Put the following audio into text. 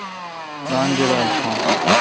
ران جولال تھون۔